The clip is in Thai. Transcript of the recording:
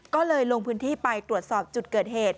ก็เลยลงพื้นที่ไปตรวจสอบจุดเกิดเหตุ